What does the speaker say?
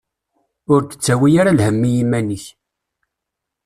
Ur d-ttawi ara lhemm i iman-ik.